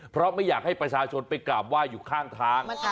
เพราะไม่อยากให้ประชาชนไปกราบไหว้อยู่ข้างทาง